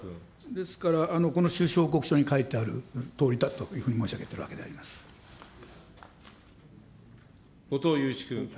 ですから、この収支報告書に書いてあるとおりだというふうに申し上げている後藤祐一君。